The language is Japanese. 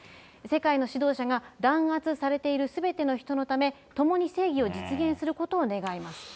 世界の指導者が弾圧されているすべての人のため、共に正義を実現することを願いますと。